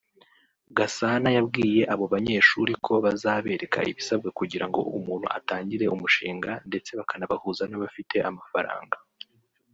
Gasana yabwiye abo banyeshuri ko bazabereka ibisabwa kugirango umuntu atangire umushinga ndetse bakanabahuza n’abafite amafaranga